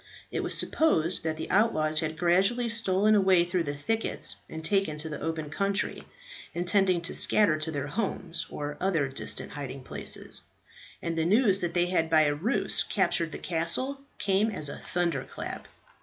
It was supposed that the outlaws had gradually stolen away through the thickets and taken to the open country, intending to scatter to their homes, or other distant hiding places; and the news that they had by a ruse captured the castle, came as a thunderclap.